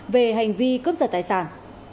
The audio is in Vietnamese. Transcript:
về hành vi cướp giật tài sản